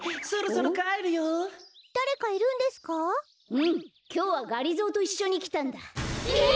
うんきょうはがりぞーといっしょにきたんだ。え！？